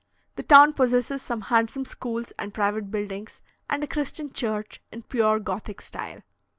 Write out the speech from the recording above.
The town possesses some handsome schools and private buildings, and a Christian church, in pure Gothic style.